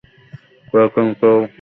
কেউ এটা নিতেও পারে, তাই না?